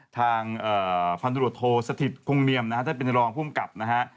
ทางฝรั่งตรวจโทรสถิตคงเนียมท่านเป็นรองผู้มกับ